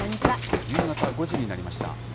夕方５時になりました。